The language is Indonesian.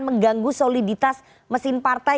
mengganggu soliditas mesin partai